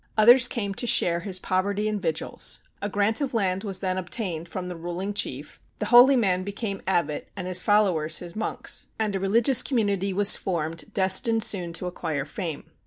Others came to share his poverty and vigils; a grant of land was then obtained from the ruling chief, the holy man became abbot and his followers his monks; and a religious community was formed destined soon to acquire fame.